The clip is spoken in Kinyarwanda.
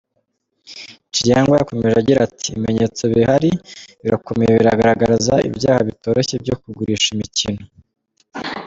Chiyangwa yakomeje agira ati "Ibimenyetso bihari birakomeye, biragaragaza ibyaha bitoroshye byo kugurisha imikino.